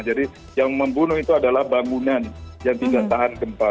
jadi yang membunuh itu adalah bangunan yang tidak tahan gempa